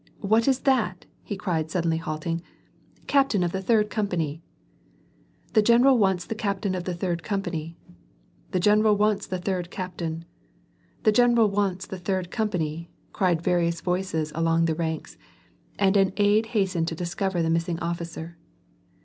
What is that?" he cried sud denly halting. " Captain of the third company \"^^" The general wants the captain of the third company "The general wants the third captain !"—" The general wants the third company !" cried various voices along the ranks, and an aid hastened to discover the missing officer.